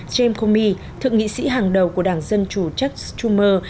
james comey thượng nghị sĩ hàng đầu của đảng dân chủ chuck schumer